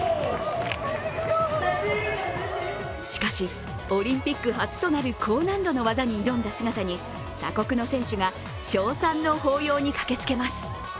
しかし、オリンピック初となる高難度の技に挑んだ姿に他国の選手が称賛の抱擁に駆けつけます。